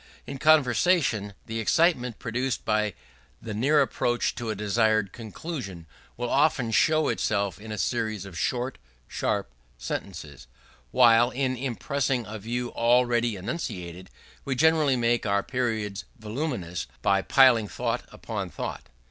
In conversation, the excitement produced by the near approach to a desired conclusion, will often show itself in a series of short, sharp sentences; while, in impressing a view already enunciated, we generally make our periods voluminous by piling thought upon thought.